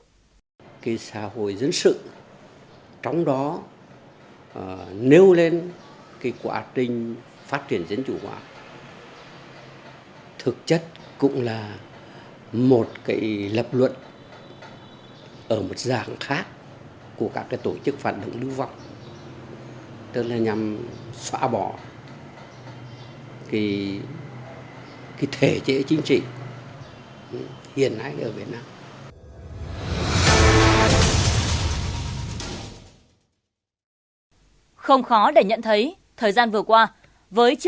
học bổng xã hội dân sự voice lần thứ một mươi một hiện công an tỉnh nghệ an đang điều tra làm rõ những ngày gần đây trên một số trang truyền thông của các tổ chức phản động chống đối đang tích cực lan truyền các kiến thức nền tảng để có thể tham gia vào các hoạt động xã hội